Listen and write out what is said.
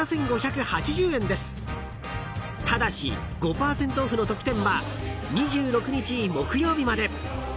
［ただし５％オフの特典は２６日木曜日まで］